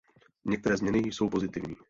Některé změny jsou pozitivní.